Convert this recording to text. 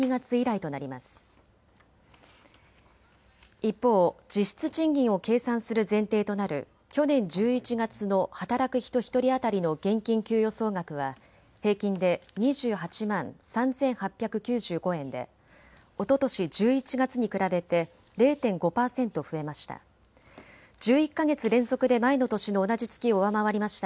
一方、実質賃金を計算する前提となる去年１１月の働く人１人当たりの現金給与総額は平均で２８万３８９５円でおととし１１月に比べて０．５％増えました。